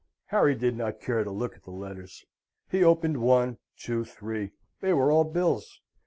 Harry did not care to look at the letters: he opened one, two, three; they were all bills.